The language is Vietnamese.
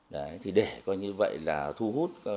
để thu hút du khách về thăm làng cổ